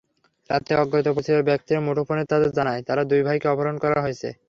রাতে অজ্ঞাতপরিচয় ব্যক্তিরা মুঠোফোনে তাদের জানায়, তাঁর দুই ভাইকে অপহরণ করা হয়েছে।